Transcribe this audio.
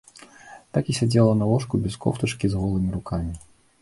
Так і сядзела на ложку без кофтачкі, з голымі рукамі.